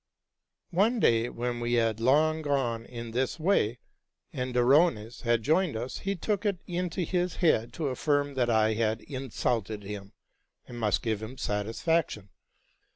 One day when we had long gone in this way, and Derones had joined us, he took it into his head to affirm that T had insulted him, and must give him satisfaction.